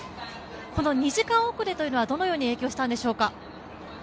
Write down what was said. この２時間遅れというのはどのように影響したんでしょうか？